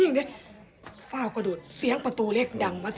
อันดับสุดท้ายก็คืออันดับสุดท้าย